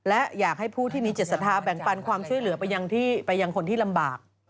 และอยากให้ผู้ที่มีจิตศรัทธาแบ่งปันความช่วยเหลือไปยังคนที่ลำบาก